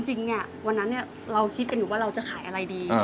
จริงเนี่ยวันนั้นเราคิดกันอยู่ว่าเราจะขายอะไรดี